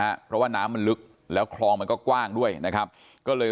เพราะว่าน้ำมันลึกแล้วคลองมันก็กว้างด้วยนะครับก็เลย